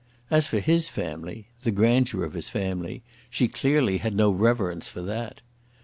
As for his family, the grandeur of his family, she clearly had no reverence for that.